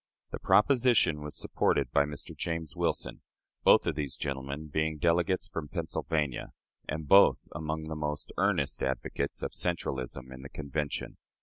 The proposition was supported by Mr. James Wilson both of these gentlemen being delegates from Pennsylvania, and both among the most earnest advocates of centralism in the Convention.